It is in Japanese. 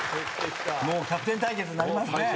もうキャプテン対決になりますね。